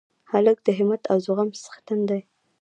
هلک د همت او زغم څښتن دی.